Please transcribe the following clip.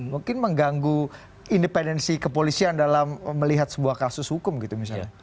mungkin mengganggu independensi kepolisian dalam melihat sebuah kasus hukum gitu misalnya